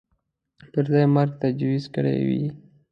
پر ځای مرګ تجویز کړی وي